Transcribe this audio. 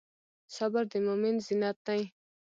صبر د مؤمن زینت دی.